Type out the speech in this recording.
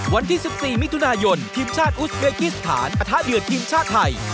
วันที่๑๔มิถุนายนทีมชาติอุสเบกิสถานปะทะเดือดทีมชาติไทย